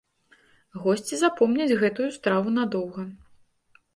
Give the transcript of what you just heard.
Госці запомняць гэтую страву надоўга.